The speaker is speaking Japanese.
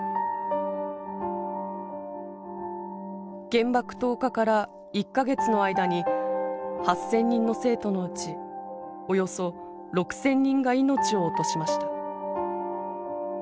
原爆投下から１か月の間に８，０００人の生徒のうちおよそ６，０００人が命を落としました。